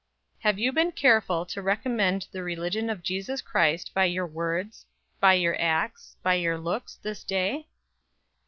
Have you been careful to recommend the religion of Jesus Christ by your words, by your acts, by your looks, this day?